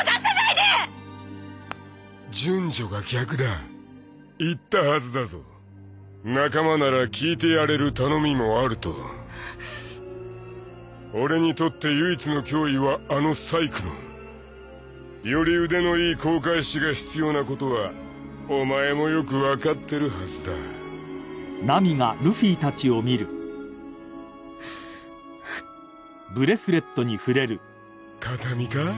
順序が逆だ言ったはずだぞ仲間なら聞いてやれる頼みもあると俺にとって唯一の脅威はあのサイクロンより腕のいい航海士が必要なことはお前もよく分かってるはずだ形見か？